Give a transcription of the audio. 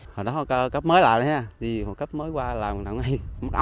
hồi đó cấp mới là đó nha đi hồi cấp mới qua làm đoạn này